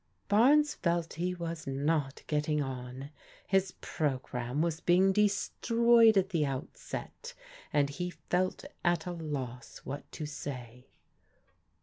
Barnes felt he was not getting on. His programme was being destroyed at the outset, and he felt at a loss what to say.